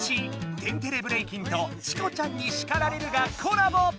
「天てれブレイキン」と「チコちゃんに叱られる」がコラボ！